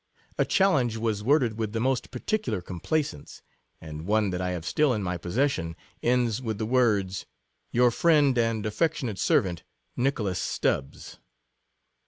A challenge was worded with the most par ticular complaisance; and one that I have still in my possession, ends with the words, " your friend and affectionate servant, Nicho las Stubbs."